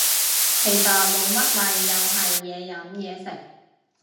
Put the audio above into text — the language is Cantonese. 其實冇乜咪又係嘢飲嘢食